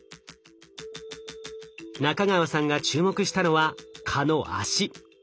仲川さんが注目したのは蚊の脚。